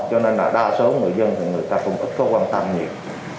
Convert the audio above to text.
cho nên là đa số người dân thì người ta cũng ít có quan tâm nhiều